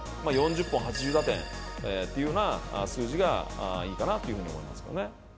４０本８０打点というふうな数字がいいかなっていうふうに思いま